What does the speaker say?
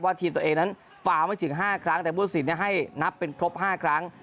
ทีมตัวเองนั้นฟาวไม่ถึง๕ครั้งแต่ผู้สินให้นับเป็นครบ๕ครั้ง